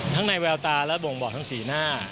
ในแววตาและบ่งบอกทั้งสีหน้า